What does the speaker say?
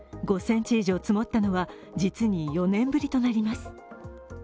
５ｃｍ以上積もったのは実に４年ぶりとなります。